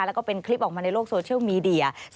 แล้วก็เป็นคลิปออกมาในโลกโซเชียลมีเดีย